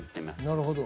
なるほど。